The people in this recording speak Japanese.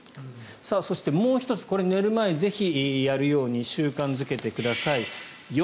そして、もう１つこれは寝る前にぜひやるように習慣付けてください。